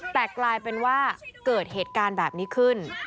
แต่กลายเป็นว่าเกิดเหตุการณ์แบบนี้ขึ้น